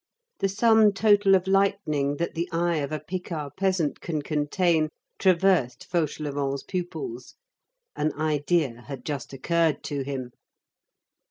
The sum total of lightning that the eye of a Picard peasant can contain, traversed Fauchelevent's pupils. An idea had just occurred to him.